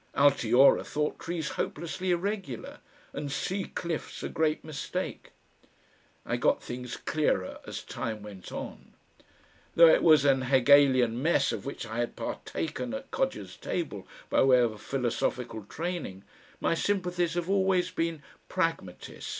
Altiora thought trees hopelessly irregular and sea cliffs a great mistake.... I got things clearer as time went on. Though it was an Hegelian mess of which I had partaken at Codger's table by way of a philosophical training, my sympathies have always been Pragmatist.